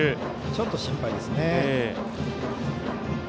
ちょっと心配ですね。